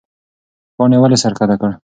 پاڼې ولې سر ښکته کړ؟